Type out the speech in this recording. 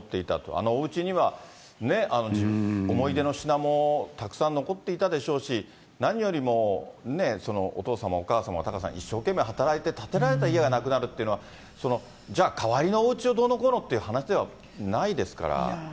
あのおうちにはね、思い出の品もたくさん残っていたでしょうし、何よりもね、お父様、お母様、一生懸命働いて建てられた家がなくなるっていうのは、じゃあ、代わりのおうちをどうのこうのって話ではないですから。